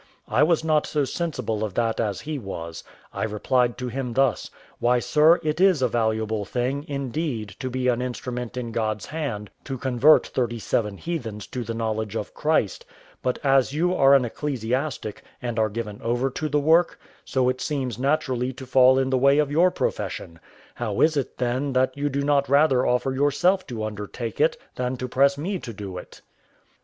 I was not so sensible of that as he was. I replied to him thus: "Why, sir, it is a valuable thing, indeed, to be an instrument in God's hand to convert thirty seven heathens to the knowledge of Christ: but as you are an ecclesiastic, and are given over to the work, so it seems so naturally to fall in the way of your profession; how is it, then, that you do not rather offer yourself to undertake it than to press me to do it?"